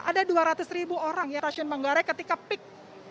ada dua ratus orang yang stasiun manggare ketika peak